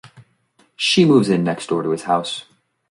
She moves in next door to his house.